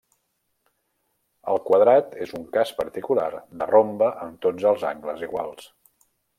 El quadrat és un cas particular de rombe amb tots els angles iguals.